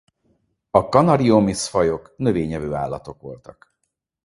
A Canariomys-fajok növényevő állatok voltak.